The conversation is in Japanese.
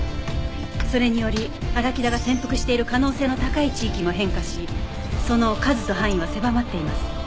それにより荒木田が潜伏している可能性の高い地域も変化しその数と範囲は狭まっています。